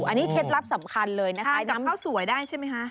อันนี้เคล็ดลับสำคัญเลยนะคะจำข้าวสวยได้ใช่ไหมคะ